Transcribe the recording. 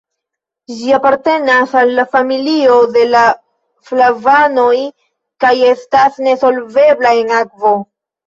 Ĝi apartenas al la familio de la flavanoj kaj estas nesolvebla en akvo.